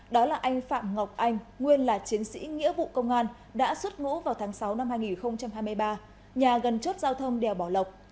đó là anh phạm ngọc anh nguyên là chiến sĩ nghĩa vụ công an đã xuất ngũ vào tháng sáu năm hai nghìn hai mươi ba nhà gần chốt giao thông đèo bảo lộc